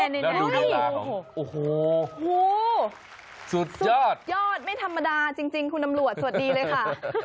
นี่แหละนี่แหละโอ้โหสุดยอดสุดยอดไม่ธรรมดาจริงคุณตำรวจสวัสดีเลยค่ะ